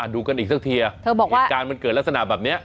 ดูกันอีกสักทีเธอบอกว่าเหตุการณ์มันเกิดลักษณะแบบนี้